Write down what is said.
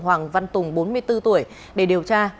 hoàng văn tùng bốn mươi bốn tuổi để điều tra